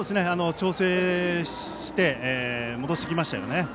調整して戻してきましたよね。